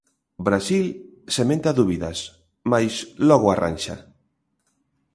Brasil sementa dúbidas, mais logo arranxa.